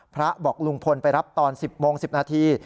พระบอกลุงพลไปรับตอน๑๐โมง๑๐นาที